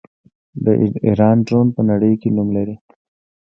د ایران ډرون په نړۍ کې نوم لري.